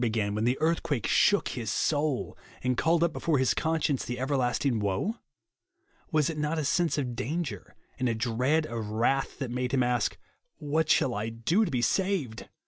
began when the earthquake shook his soul, and called up before his conscience the everlasting woe ? "Was it not a sense of danger and a dread of wrath that made him a^k, " What shall I do to be saved